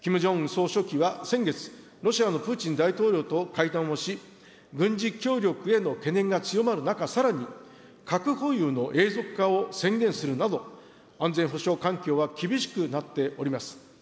総書記は先月、ロシアのプーチン大統領と会談をし、軍事協力への懸念が強まる中、さらに核保有の永続化を宣言するなど、安全保障環境は厳しくなっております。